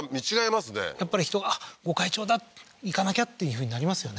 やっぱり人があっ御開帳だ行かなきゃっていうふうになりますよね